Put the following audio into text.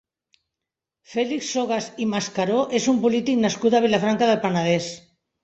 Fèlix Sogas i Mascaró és un polític nascut a Vilafranca del Penedès.